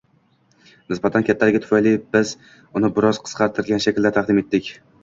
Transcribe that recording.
Nisbatan kattaligi tufayli biz uni biroz qisqartirilgan shaklda taqdim etdik